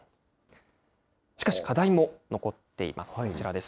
しかし、課題も残っています。